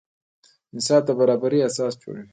انصاف د برابري اساس جوړوي.